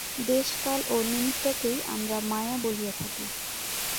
দেশ কাল ও নিমিত্তকেই আমরা মায়া বলিয়া থাকি।